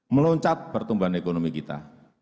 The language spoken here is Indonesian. meloncat pertumbuhan ekonomi kita